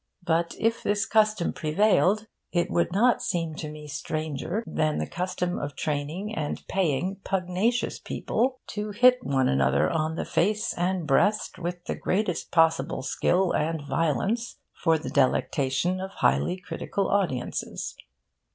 But, if this custom prevailed, it would not seem to me stranger than the custom of training and paying pugnacious people to hit one another on the face and breast, with the greatest possible skill and violence, for the delectation of highly critical audiences.